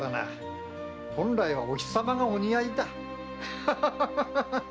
本来はお日様がお似合いだ。